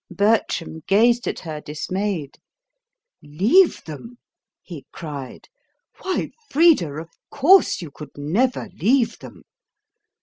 Bertram gazed at her dismayed. "Leave them!" he cried. "Why, Frida, of course you could never leave them.